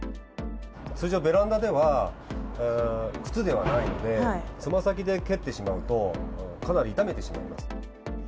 通常、ベランダでは、靴ではないので、つま先で蹴ってしまうと、かなり痛めてしまいま